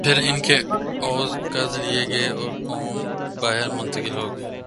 پھر ان کے عوض قرض لئے گئے اوررقوم باہر منتقل ہوئیں۔